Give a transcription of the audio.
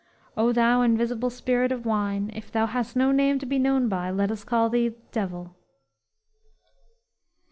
_"O thou invisible spirit of wine, If thou hast no name to be known by, Let us call thee Devil!"